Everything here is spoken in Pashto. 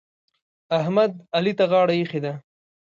احمد؛ علي ته غاړه ايښې ده.